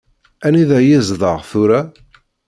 Anida yezdeɣ tura?